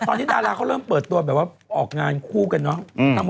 ตอนนี้ดาราเขาเริ่มเปิดตัวแบบว่าออกงานคู่กันเนอะ